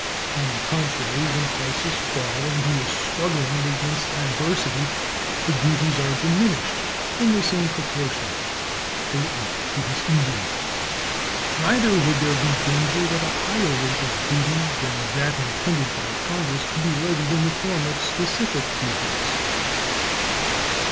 On the contrary, when prices fall and he is struggling against adversity, the duties are diminished in the same proportion, greatly to his injury. Neither would there be danger that a higher rate of duty than that intended by Congress could be levied in the form of specific duties.